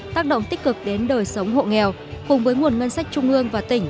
tác động tích cực đến đời sống hộ nghèo cùng với nguồn ngân sách trung ương và tỉnh